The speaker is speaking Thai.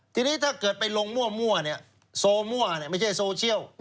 ทีนี้ถ้าเกิดไปลงมั่วโซมั่วไม่ใช่โซเชียล